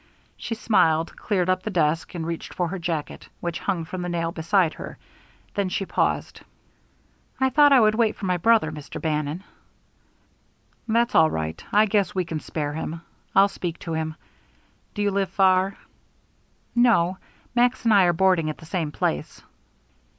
She smiled, cleared up the desk, and reached for her jacket, which hung from the nail behind her. Then she paused. "I thought I would wait for my brother, Mr. Bannon." "That's all right. I guess we can spare him. I'll speak to him. Do you live far?" "No; Max and I are boarding at the same place."